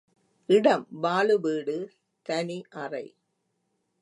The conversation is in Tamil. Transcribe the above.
இடம் பாலு வீடு, தனி அறை.